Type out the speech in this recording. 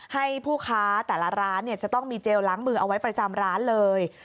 ให้ผู้ค้าแต่ละร้านจะต้องมีเจลล้างมือเอาไว้ประจำร้านเลย